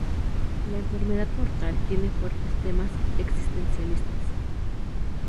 La enfermedad mortal tiene fuertes temas existencialistas.